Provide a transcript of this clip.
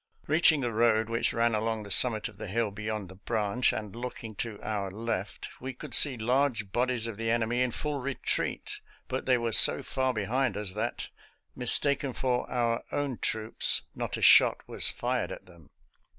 Eeaching the road which ran along the summit of the hill beyond the branch, and looking to our left, we could see large bodies of the enemy in full retreat, but they were so far behind us that, mistaken for our own troops, not a shot was fired at them.